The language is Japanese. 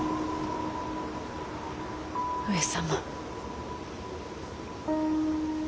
上様。